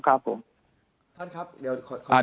ครับครับผม